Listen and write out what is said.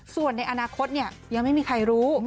ส่วนในอนาคตยังไม่มีใครรู้